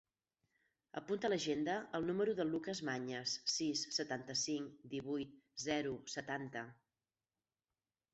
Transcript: Apunta a l'agenda el número del Lucas Mañes: sis, setanta-cinc, divuit, zero, setanta.